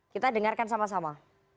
kita dengarkan sama sama